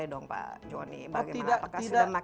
boleh dong pak joni bagaimana